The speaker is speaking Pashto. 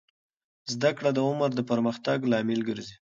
زده کړه د عمر د پرمختګ لامل ګرځي.